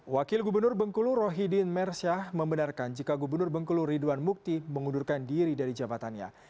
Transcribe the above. wakil gubernur bengkulu rohidin mersyah membenarkan jika gubernur bengkulu ridwan mukti mengundurkan diri dari jabatannya